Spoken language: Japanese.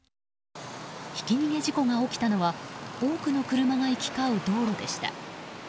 ひき逃げ事故が起きたのは多くの車が行き交う道路でした。